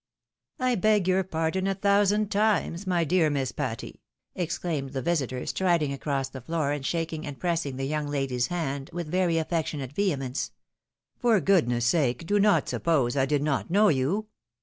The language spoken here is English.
" I beg your pardon a thousand times, my dear Miss Patty !" exclaimed thevisitor, striding across the floor, and shaking and pressing the young lady's hand with very affectionate vehe mence ;" for goodness' sake do not suppose I did not know you!